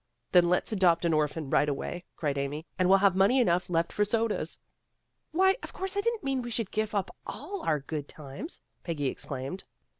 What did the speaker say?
"Then let's adopt an orphan right away/' cried Amy. "And we'll have money enough left for sodas." "Why, of course I didn't mean we should give up all our good times," Peggy exclaimed.